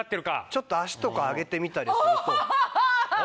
ちょっと足とか上げてみたりすると。